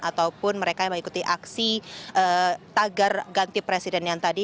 ataupun mereka yang mengikuti aksi tagar ganti presiden yang tadi